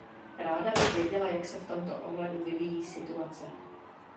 Ráda bych věděla, jak se v tomto ohledu vyvíjí situace.